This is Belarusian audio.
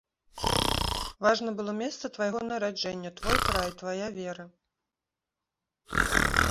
Важна было месца твайго нараджэння, твой край, твая вера.